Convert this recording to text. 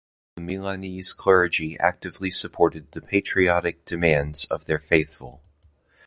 The Milanese clergy actively supported the patriotic demands of their faithful.